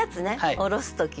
おろす時の。